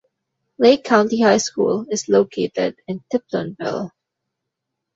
Lake County High School is located in Tiptonville.